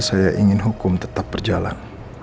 saya ingin hukum tetap berjalan